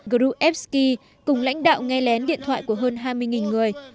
grubevsky cùng lãnh đạo nghe lén điện thoại của hơn hai mươi người